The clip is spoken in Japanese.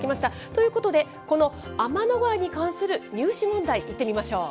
ということで、この天の川に関する入試問題、いってみましょう。